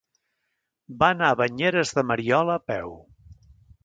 Va anar a Banyeres de Mariola a peu.